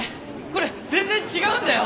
これ全然違うんだよ！